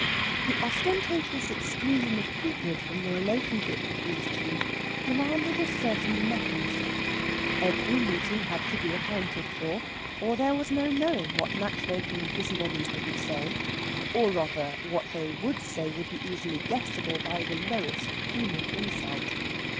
The ostentatious exclusion of Cupid from the relationship of these two demanded a certain mechanism. Every meeting had to be accounted for, or there was no knowing what match making busybodies wouldn't say; or, rather, what they would say would be easily guessable by the lowest human insight.